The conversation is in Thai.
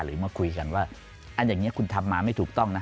มาคุยกันว่าอันอย่างนี้คุณทำมาไม่ถูกต้องนะ